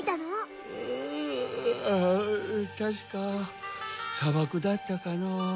ふわあたしかさばくだったかのう。